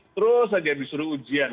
terus saja disuruh ujian